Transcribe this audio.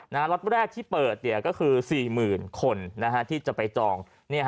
ล็อตแรกที่เปิดก็คือ๔๐๐๐คนที่จะไปจอง